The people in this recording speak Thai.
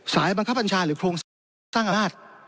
สหรัฐบัญชาหรือโครงสร้างอาฆาต